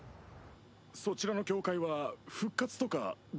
そちらの教会は復活とかできますか？